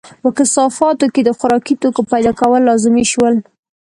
په کثافاتو کې د خوراکي توکو پیدا کول لازمي شول.